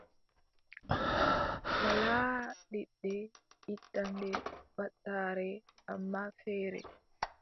Walaa leɗɗe ittanɗe ɓattarre, ammaa feere,